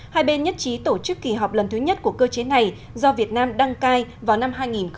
hai bên nhất trí tổ chức kỳ họp lần thứ nhất của cơ chế này do việt nam đăng cai vào năm hai nghìn hai mươi